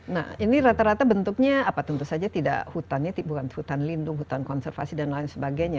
nah ini rata rata bentuknya apa tentu saja tidak hutan ya bukan hutan lindung hutan konservasi dan lain sebagainya